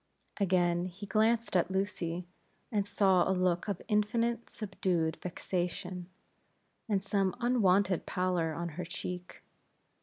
Again he glanced at Lucy, and saw a look of infinite subdued vexation, and some unwonted pallor on her cheek.